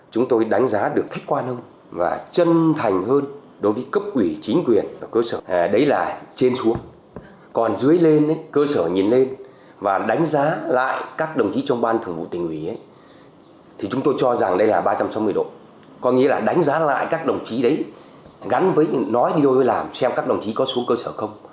có nghĩa là đánh giá lại các đồng chí đấy gắn với nói đi đôi với làm xem các đồng chí có xuống cơ sở không